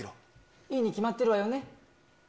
いいに決まってるわよね？